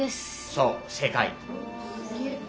そう正解。